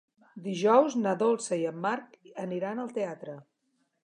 Dijous na Dolça i en Marc aniran al teatre.